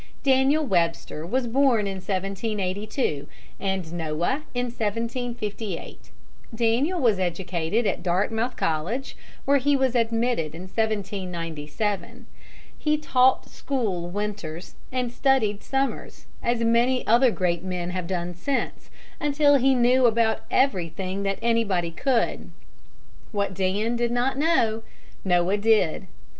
Daniel Webster was born in 1782, and Noah in 1758. Daniel was educated at Dartmouth College, where he was admitted in 1797. He taught school winters and studied summers, as many other great men have done since, until he knew about everything that anybody could. What Dan did not know, Noah did.